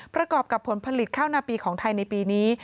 ประกอบกับผลผลิตข้าวนาปีของไทยในปีนี้